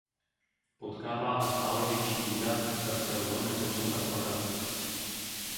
Potkává ho stále větší bída a tak se rozhodne kocoura prodat.